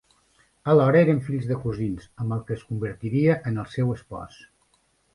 Alhora eren fills de cosins amb el que es convertiria en el seu espòs.